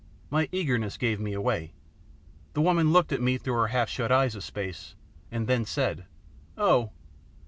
My eagerness gave me away. The woman looked at me through her half shut eyes a space, and then said, "Oh!